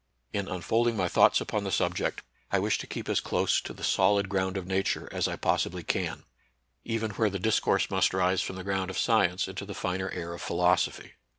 65 In unfolding my thoughts upon the subject, I wish to keep as close " to the solid ground of Nature " as I possibly can, even where the dis course must rise from the ground of science into the finer air of philosophy.